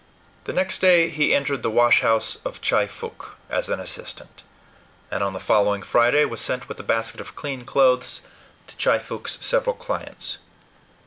The next day he entered the washhouse of Chy Fook as an assistant, and on the following Friday was sent with a basket of clean clothes to Chy Fook's several clients.